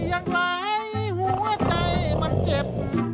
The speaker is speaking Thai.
ยังไหลหัวใจมันเจ็บ